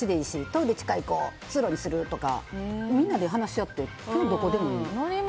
トイレしたいから通路にするとかみんなで話し合ってどこでもいい。